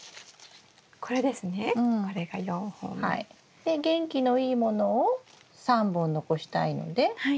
で元気のいいものを３本残したいので？